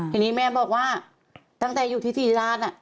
ทีนี้แม่บอกว่าตั้งแต่อยู่ที่ศรีราช